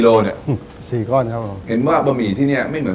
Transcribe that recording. โลเนี่ยสี่ก้อนครับผมเห็นว่าบะหมี่ที่เนี้ยไม่เหมือน